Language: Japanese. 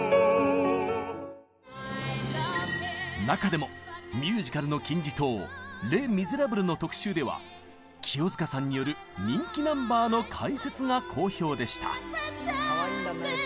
中でもミュージカルの金字塔「レ・ミゼラブル」の特集では清塚さんによる人気ナンバーの解説が好評でした。